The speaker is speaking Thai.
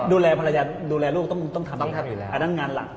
ดูแลภรรยาดูแลลูกต้องทำต้องทำอยู่แล้วอันนั้นงานหลัก